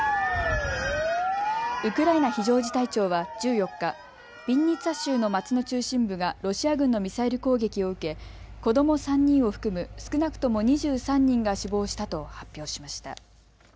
ウクライナ非常事態庁は１４日、ビンニツァ州の街の中心部がロシア軍のミサイル攻撃を受け子ども３人を含む少なくとも２３人が死亡したと発表しました。